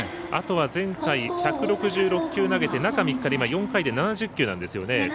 あとは前回、１６６球投げて中３日で４回で７０球なんですよね。